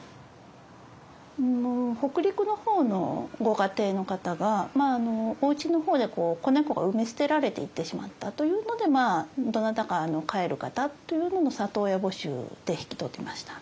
北陸の方のご家庭の方がおうちの方で子猫が産み捨てられていってしまったというのでまあどなたか飼える方という里親募集で引き取りました。